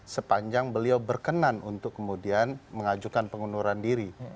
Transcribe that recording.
sepanjang beliau berkenan untuk kemudian mengajukan pengunduran diri